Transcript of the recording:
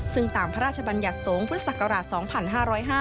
ซึ่งตามพระราชบัญญัติสงฆ์พุทธศักราช๒๕๐๕